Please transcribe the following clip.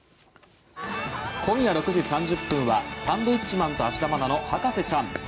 今夜６時３０分は「サンドウィッチマン＆芦田愛菜の博士ちゃん」。